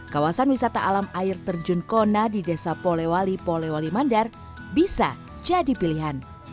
kawasan wisata alam air terjun kona di desa polewali polewali mandar bisa jadi pilihan